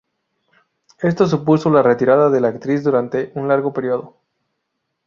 Esto supuso la retirada de la actriz durante un largo período.